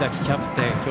キャプテン。